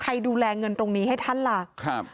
ดูแลเงินตรงนี้ให้ท่านล่ะครับ